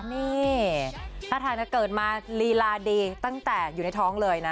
นี่ถ้าถ่ายถ้าเกิดมาลีลาดีตั้งแต่อยู่ในท้องเลยนะ